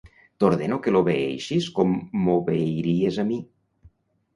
T'ordeno que l'obeeixis com m'obeiries a mi.